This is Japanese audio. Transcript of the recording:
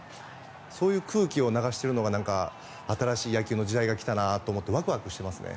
そういう空気を流しているのが新しい野球の時代が来たなと思ってワクワクしてますね。